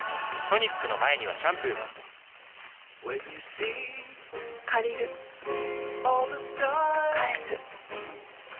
トニックの前にはシャンプーも借りる返す